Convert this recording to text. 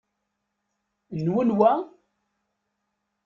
Nwen wa?